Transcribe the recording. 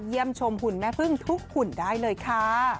ชมหุ่นแม่พึ่งทุกหุ่นได้เลยค่ะ